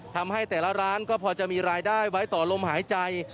ทำให้แต่ละร้านก็พอจะมีรายได้ไว้ต่อลมหายใจ